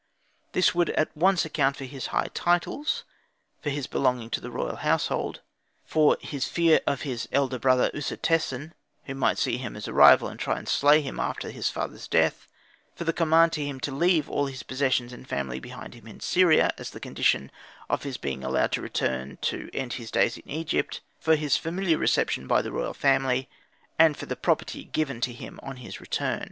This would at once account for his high titles for his belonging to the royal household for his fear of his elder brother Usertesen, who might see in him a rival, and try to slay him after his father's death for the command to him to leave all his possessions and family behind him in Syria, as the condition of his being allowed to return to end his days in Egypt for his familiar reception by the royal family, and for the property given to him on his return.